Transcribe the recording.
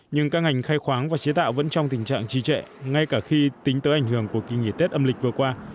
nhưng các ngành khai khoáng và chế tạo vẫn trong tình trạng trì trệ ngay cả khi tính tới ảnh hưởng của kỳ nghỉ tết âm lịch vừa qua